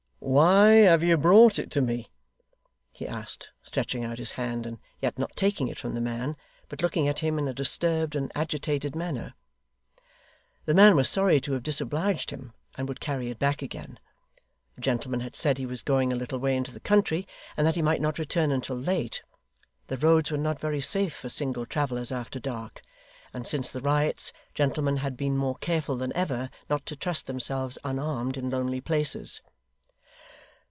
'Why have you brought it to me?' he asked, stretching out his hand, and yet not taking it from the man, but looking at him in a disturbed and agitated manner. The man was sorry to have disobliged him, and would carry it back again. The gentleman had said that he was going a little way into the country, and that he might not return until late. The roads were not very safe for single travellers after dark; and, since the riots, gentlemen had been more careful than ever, not to trust themselves unarmed in lonely places.